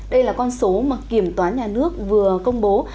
đây là con số mà kiểm toán nhà nước vừa công bố